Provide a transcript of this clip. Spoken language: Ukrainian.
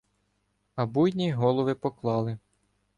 А буйні голови поклали